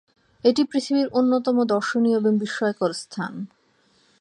এটি পৃথিবীর অন্যতম দর্শনীয় এবং বিস্ময়কর স্থান।